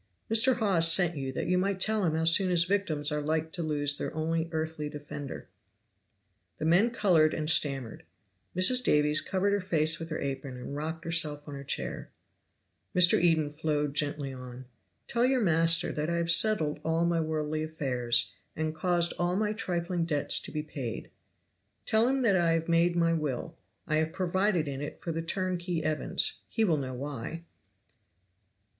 Mr. Hawes sent you that you might tell him how soon his victims are like to lose their only earthly defender." The men colored and stammered; Mrs. Davies covered her face with her apron and rocked herself on her chair. Mr. Eden flowed gently on. "Tell your master that I have settled all my worldly affairs, and caused all my trifling debts to be paid. "Tell him that I have made my will! (I have provided in it for the turnkey Evans he will know why.)